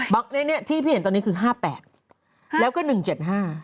บั๊กเลขนี้ที่พี่เห็นตอนนี้คือ๕๘แล้วก็๑๗๕